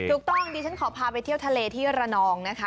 ถูกต้องดิฉันขอพาไปเที่ยวทะเลที่ระนองนะคะ